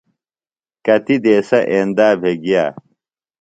کتیۡ دیسہ ایندا بھےۡ گیہ۔